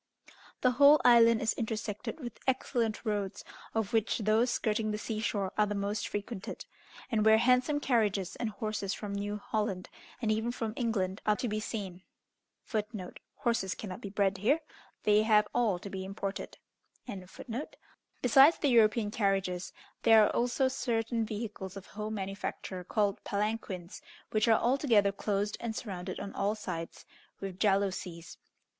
The whole island is intersected with excellent roads, of which those skirting the sea shore are the most frequented, and where handsome carriages, and horses from New Holland, and even from England, {120a} are to be seen. Besides the European carriages, there are also certain vehicles of home manufacture called palanquins, which are altogether closed and surrounded on all sides with jalousies.